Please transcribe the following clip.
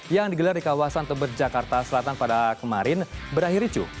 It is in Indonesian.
yang digelar di kawasan tebet jakarta selatan pada kemarin berakhir ricu